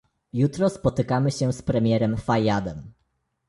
Jutro spotykamy się z premierem Fayyadem